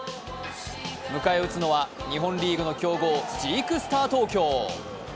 迎え撃つのは日本リーグの強豪ジークスター東京。